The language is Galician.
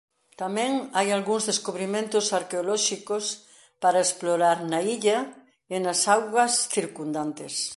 Tamén hai algúns descubrimentos arqueolóxicos para explorar na illa e nas augas circundantes.